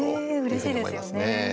ねえ、うれしいですよね。